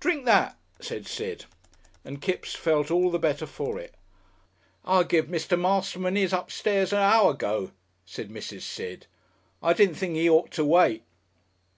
"Drink that," said Sid, and Kipps felt all the better for it. "I give Mr. Masterman 'is upstairs a hour ago," said Mrs. Sid. "I didn't think 'e ought to wait."